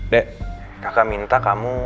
dek kakak minta kamu